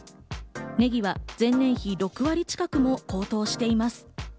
ネギは前年比６割近くも高騰しています。